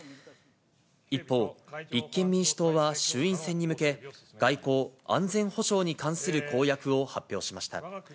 一方、立憲民主党は衆院選に向け、外交・安全保障に関する公約を発表しました。